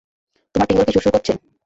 তোমার টিঙ্গল কি সুড়সুড় করছে?